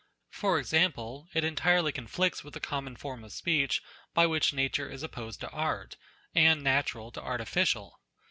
For example, it entirely con flicts with the common form of speech by which Nature is opposed to Art, and .natural to artificial.